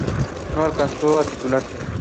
No alcanzó a titularse.